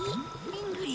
リングリ。